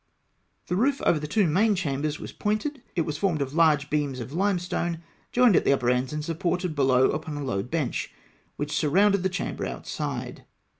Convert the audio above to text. The roof over the two main chambers was pointed (fig. 140). It was formed of large beams of limestone, joined at the upper ends, and supported below upon a low bench (1) which surrounded the chamber outside (Note 34).